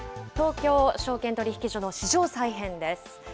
東京証券取引所の市場再編です。